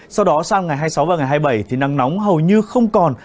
sau đó sang ngày hai mươi sáu và ngày hai mươi bảy thì nắng nóng hầu như không còn